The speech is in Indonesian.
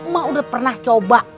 mak udah pernah coba